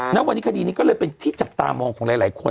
ณวันนี้คดีนี้ก็เลยเป็นที่จับตามองของหลายคน